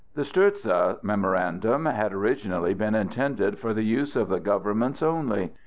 The Stourdza memorandum had originally been intended for the use of the governments only.